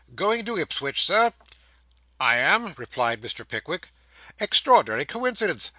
'Going to Ipswich, Sir?' 'I am,' replied Mr. Pickwick. 'Extraordinary coincidence.